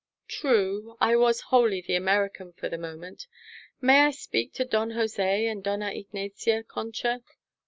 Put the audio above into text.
"True. I was wholly the American for the moment. May I speak to Don Jose and Dona Ignacia, Concha?"